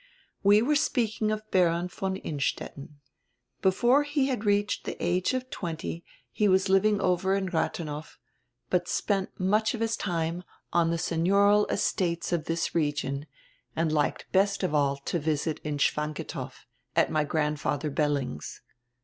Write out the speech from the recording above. We were speak ing of Baron von Innstetten. Before he had reached die age of twenty he was living over in Rathenow, but spent much of his time on the seignioral estates of diis region, and liked best of all to visit in Schwantikow, at my grand fadier Belling's.